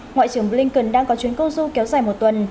ngoại trưởng blinken đang có chuyến công du kéo dài một tuần